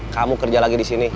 kamu kerja lagi disini